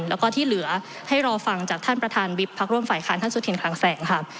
แล้วก็ที่เหลือให้รอฟังจากท่านประธานวิบพักร่วมฝ่ายค้านท่านสุธินคลังแสงค่ะ